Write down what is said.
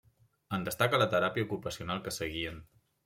En destaca la teràpia ocupacional que seguien.